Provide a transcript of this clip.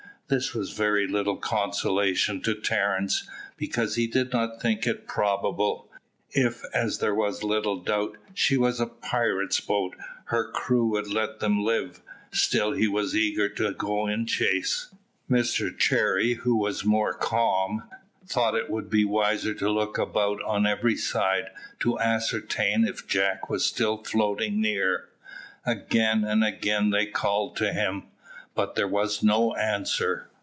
This was very little consolation to Terence, because he did not think it probable, if, as there was little doubt, she was a pirate's boat, her crew would let them live. Still he was eager to go in chase. Mr Cherry, who was more calm, thought that it would be wiser to look about on every side, to ascertain if Jack was still floating near. Again and again they called to him, but there was no answer.